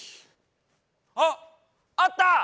あっあった！